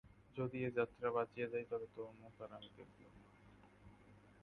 যদি এ-যাত্রা বাঁচিয়া যাই তবে তোর মুখ আর আমি দেখিব না।